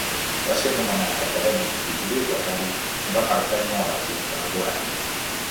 Va ser nomenat Acadèmic Bibliotecari i va pertànyer a la Junta de Govern.